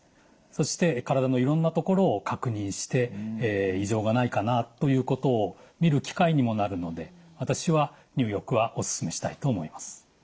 そして体のいろんなところを確認して異常がないかなということを見る機会にもなるので私は入浴はおすすめしたいと思います。